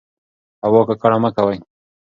هوا ککړه مه کوئ.